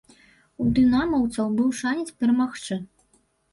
У дынамаўцаў быў шанец перамагчы.